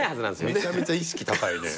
めちゃめちゃ意識高いね。